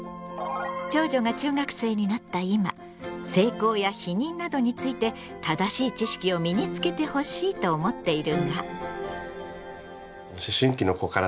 長女が中学生になった今性交や避妊などについて正しい知識を身につけてほしいと思っているが。